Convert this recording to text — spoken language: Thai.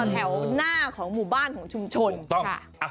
แถวหน้าของหมู่บ้านของชุมชนถูกต้องค่ะ